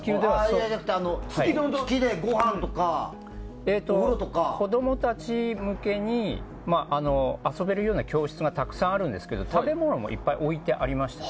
いやいや、月でごはんとかお風呂とか。子供たち向けに遊べるような教室が教室がたくさんあるんですけど食べ物もいっぱい置いてありました。